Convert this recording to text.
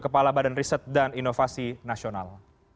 kepala badan riset dan inovasi nasional